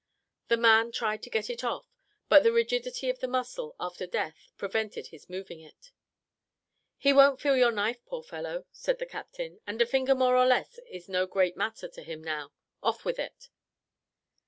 The man tried to get it off, but the rigidity of the muscle after death prevented his moving it. "He won't feel your knife, poor fellow," said the captain; "and a finger more or less is no great matter to him now: off with it."